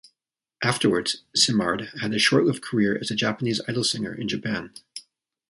Afterwards, Simard had a short-lived career as a Japanese idol singer in Japan.